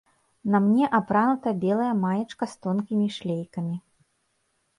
На мне апранута белая маечка з тонкімі шлейкамі.